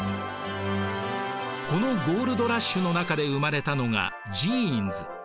このゴールド・ラッシュの中で生まれたのがジーンズ。